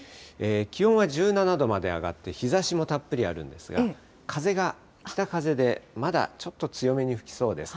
気温は１７度まで上がって、日ざしもたっぷりあるんですが、風が北風で、まだちょっと強めに吹きそうです。